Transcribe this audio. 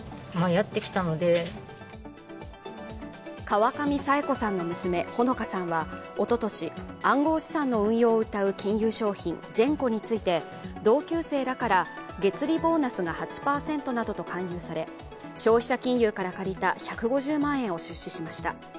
川上佐永子さんの娘穂野香さんはおととし、暗号資産の運用をうたう金融商品、ジェンコについて同級生らから月利ボーナスが８％などと勧誘され消費者金融から借りた１５０万円を出資しました。